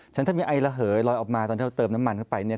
ฉันถ้ามีไอระเหยลอยออกมาตอนที่เราเติมน้ำมันเข้าไปเนี่ย